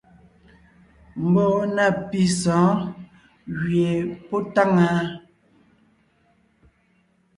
Mbɔɔ na pì sɔ̌ɔn gẅie pɔ́ táŋaa.